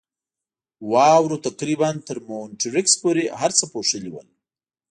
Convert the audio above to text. واورو تقریباً تر مونیټریکس پورې هر څه پوښلي ول.